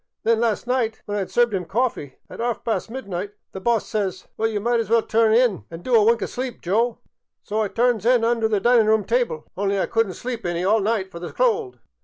An' then las' night when I 'd served 'em coffee at 'arf past midnight, the boss says, ' Well, ye might as well turn in an' do a wink o' sleep, Joe.' So I turns in under the dinin' room tyble ; only I could n't sleep any all night fer the cold.